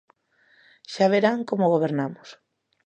Xa verán como gobernamos.